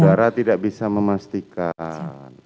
saudara tidak bisa memastikan